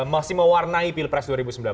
masih mewarnai pilpres dua ribu sembilan belas